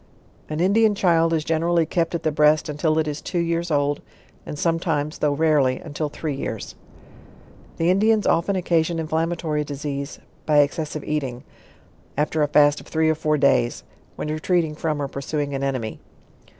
An Indian child is generally kept at the breast until it is two years old, and sometimes, though rarely, until three years. The Indians often occasion inflammatory disease, by ex cessive eating, after a fast of three or four days, when retreat* ing from or pursuing an enemy.